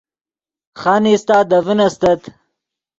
خانیستہ دے ڤین استت